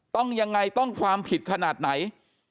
ต้องยังไงต้องความผิดขนาดไหน